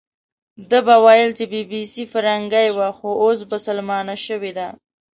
ده به ویل چې بي بي سي فیرنګۍ وه، خو اوس بسلمانه شوې ده.